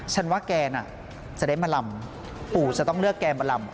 ฉันว่าแกน่ะจะได้มาลำปู่จะต้องเลือกแกมาลำ